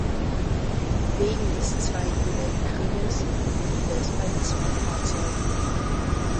Wegen des Zweiten Weltkrieges blieb es bei den zwei Fahrzeugen.